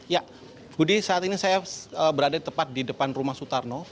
ya budi saat ini saya berada tepat di depan rumah sutarno